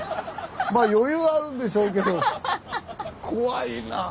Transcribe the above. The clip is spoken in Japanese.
まあ余裕はあるでしょうけど怖いなあ。